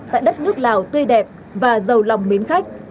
tại đất nước lào tươi đẹp và giàu lòng mến khách